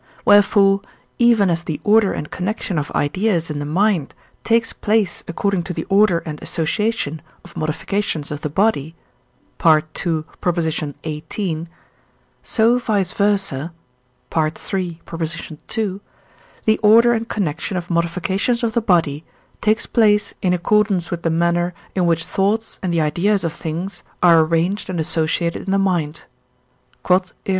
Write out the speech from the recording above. Wherefore, even as the order and connection of ideas in the mind takes place according to the order and association of modifications of the body (II. xviii.), so vice versâ (III. ii.) the order and connection of modifications of the body takes place in accordance with the manner, in which thoughts and the ideas of things are arranged and associated in the mind. Q.E.D.